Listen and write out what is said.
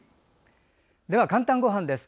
では「かんたんごはん」です。